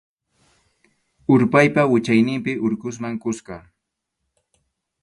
Urpaypa wichayninpi Urqusman kuska.